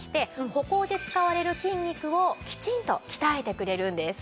歩行で使われる筋肉をきちんと鍛えてくれるんです。